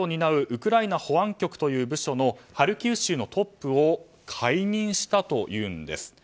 ウクライナ保安局という部署のハルキウ州のトップを解任したというんです。